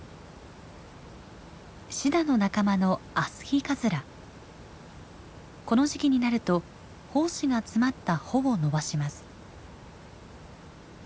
シダの仲間のこの時期になると胞子が詰まった穂を伸ばします。